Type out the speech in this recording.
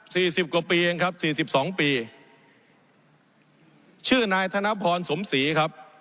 สิบกว่าปีเองครับสี่สิบสองปีชื่อนายธนพรสมศรีครับ